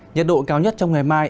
nhiệt độ cao nhất trong ngày mai